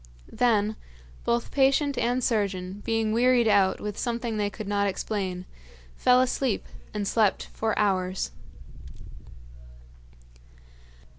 Then, both patient and surgeon, being wearied out with something they could not explain, fell asleep and slept for hours.